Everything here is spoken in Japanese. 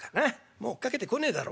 もう追っかけてこねえだろ。